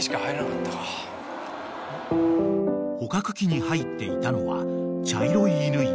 ［捕獲器に入っていたのは茶色い犬１匹だけ］